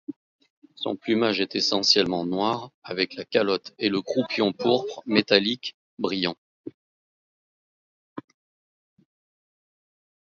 Son plumage est essentiellement noir avec la calotte et le croupion pourpre métallique brillant.